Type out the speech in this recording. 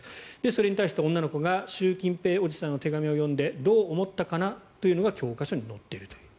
それに対して女の子が習近平おじさんの手紙を読んでどう思ったかなというのが教科書に載っているという。